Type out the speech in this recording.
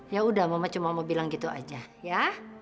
yaudah mama cuma mau bilang gitu aja ya